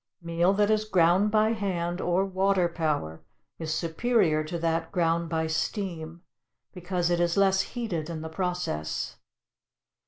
Meal that is ground by hand or water power is superior to that ground by steam, because it is less heated in the process.